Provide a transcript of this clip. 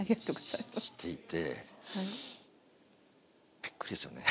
びっくりですよね。